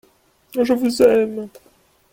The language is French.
Je vous aime !